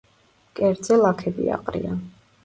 მკერდზე ლაქები აყრია.